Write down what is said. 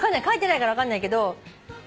書いてないから分かんないけど。